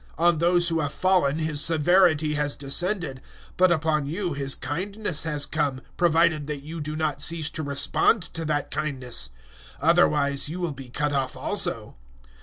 On those who have fallen His severity has descended, but upon you His kindness has come, provided that you do not cease to respond to that kindness. Otherwise you will be cut off also.